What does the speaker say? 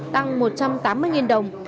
tăng hai trăm một mươi đồng